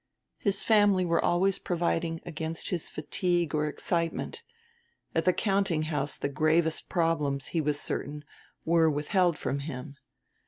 His family were always providing against his fatigue or excitement; at the countinghouse the gravest problems, he was certain, were withheld from him.